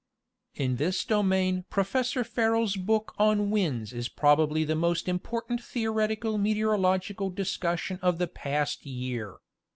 In this domain Professor Ferrel's book on Winds is probably the most important theoretical meteorological discussion of the past year.